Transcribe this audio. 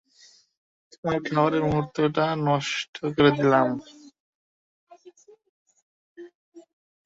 তোমার খাবারের মূহুর্তটা নষ্ট করে দিলাম।